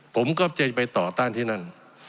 ผมก็จะไปต่อต้านที่นั่น